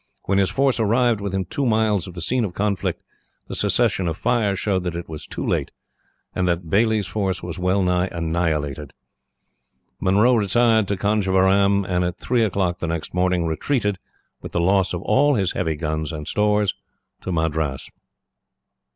When his force arrived within two miles of the scene of conflict, the cessation of fire showed that it was too late, and that Baillie's force was well nigh annihilated. Munro retired to Conjeveram, and at three o'clock the next morning retreated, with the loss of all his heavy guns and stores, to Madras.